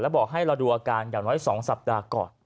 บอกให้เราดูอาการอย่างน้อย๒สัปดาห์ก่อน